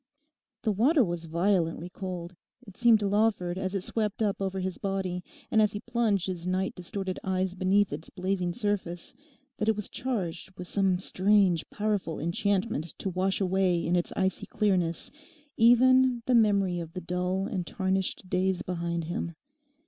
The water was violently cold. It seemed to Lawford, as it swept up over his body, and as he plunged his night distorted eyes beneath its blazing surface, that it was charged with some strange, powerful enchantment to wash away in its icy clearness even the memory of the dull and tarnished days behind him.